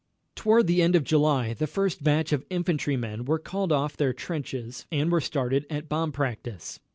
Toward the end of July the first batch of infantrymen were called off their trenches and were started at bomb practice.